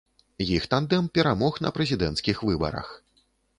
Іх тандэм перамог на прэзідэнцкіх выбарах.